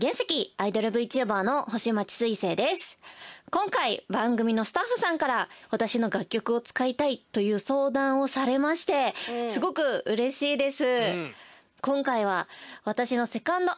今回番組のスタッフさんから私の楽曲を使いたいという相談をされましてすごくうれしいです。